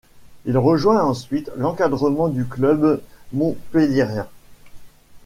Il rejoint ensuite l'encadrement du club montpelliérain.